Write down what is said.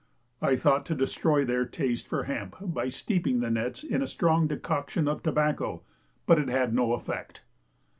I thought to destroy their taste for hemp by steeping the nets in a strong decoction of tobacco, but it had no effect.